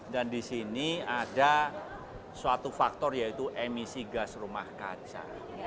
dan disini ada suatu faktor yaitu emisi gas rumah kaca